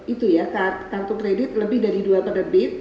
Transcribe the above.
itu ya kartu kredit lebih dari dua terbit